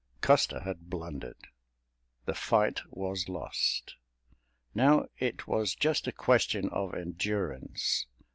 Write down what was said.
Custer had blundered. The fight was lost. Now it was just a question of endurance.